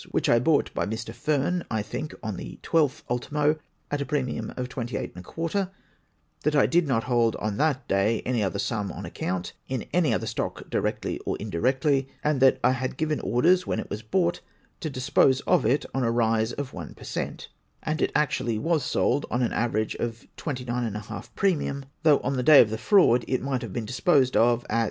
which I bought by IMr. Fearn (I think) on the 12th ultimo, at a premium of 28^ ; that I did not hold on that day any other sum on account, in any other stock, directly or indirectly, and that I had given orders when it was bought to dispose of it on a rise of 1 per cent, and it actually was sold on an average at 29^ premium, though on the day of the fraud it might have been disposed of at 33^.